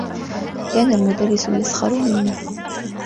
كان المدرّس يسخر منّي.